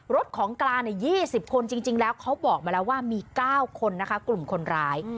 ของกลาง๒๐คนจริงแล้วเขาบอกมาแล้วว่ามี๙คนนะคะกลุ่มคนร้าย